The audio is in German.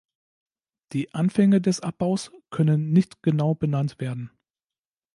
Die Anfänge des Abbaus können nicht genau benannt werden.